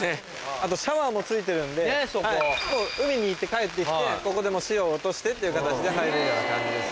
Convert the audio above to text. あとシャワーも付いてるんで海に行って帰ってきてここで潮を落としてっていう形で入れるような感じですね。